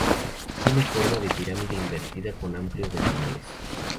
Tiene forma de pirámide invertida con amplios ventanales.